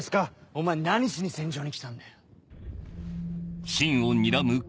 お前何しに戦場に来たんだよ。